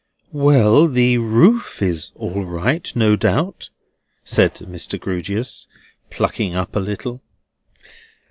"Well! The roof is all right, no doubt," said Mr. Grewgious, plucking up a little.